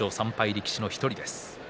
力士の１人です。